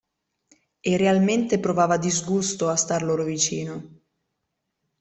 E realmente provava disgusto a star loro vicino.